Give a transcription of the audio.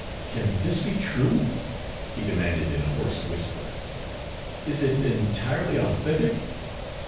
"Can this be true?" he demanded in a hoarse whisper. "Is it entirely authentic?"